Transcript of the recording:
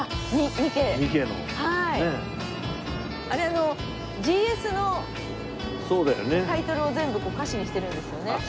あれあのＧＳのタイトルを全部歌詞にしてるんですよね。